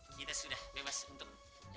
kita sudah bebas untuk